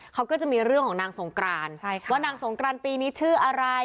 เขาก็จะมีเรื่องของนางสงกรานว่านางสงกรานปีนี้ชื่ออะไร